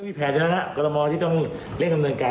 มีแผลที่แล้วล่ะกรมมต์ที่ต้องเล่นกำเนินการ